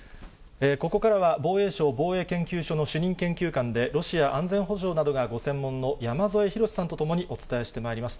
ここからは、防衛省防衛研究所の主任研究官で、ロシア安全保障などがご専門の山添博史さんと共に、お伝えしてまいります。